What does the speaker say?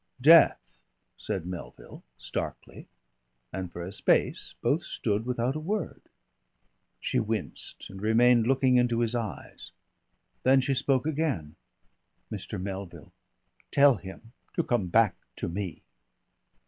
"Death," said Melville starkly, and for a space both stood without a word. She winced, and remained looking into his eyes. Then she spoke again. "Mr. Melville, tell him to come back to me."